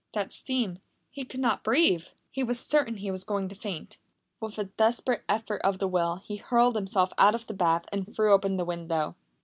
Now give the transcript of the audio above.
That steam he could not breathe! He was certain he was going to faint. With a desperate effort of the will he hurled himself out of the bath and threw open the window.